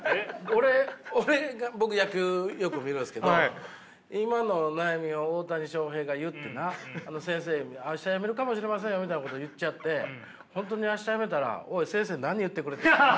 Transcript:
俺僕野球よく見るんですけど今の悩みを大谷翔平が言ってな先生に「明日やめるかもしれません」みたいなこと言っちゃって本当に明日やめたらおい先生何言ってくれてんだ。